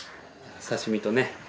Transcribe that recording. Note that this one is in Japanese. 刺身とね。